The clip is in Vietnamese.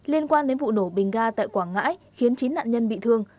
liên quan đến vụ nổ bình ga tại quảng ngãi khiến chín nạn nhân bị thương